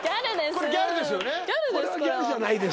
これはこれはギャルじゃないです